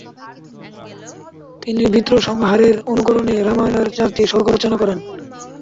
তিনি 'বৃত্রসংহারে'র অনুকরণে রামায়ণের চারটি সর্গ রচনা করেন।